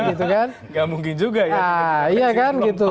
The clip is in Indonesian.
gak mungkin juga ya